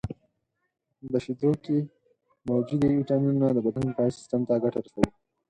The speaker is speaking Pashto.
• د شیدو کې موجودې ویټامینونه د بدن دفاعي سیستم ته ګټه رسوي.